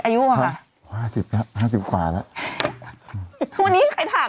ชอบคุณครับ